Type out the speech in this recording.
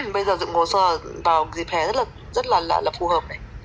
bây giờ dựng hồ sơ vào dịp hè rất là phù hợp này